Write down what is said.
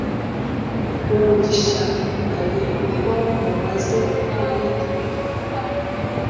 umugisha ari uko mumaze kuyitwika